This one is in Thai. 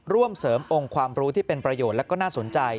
ร่วมเสริมองค์ความรู้ที่เป็นประโยชน์และก็น่าสนใจ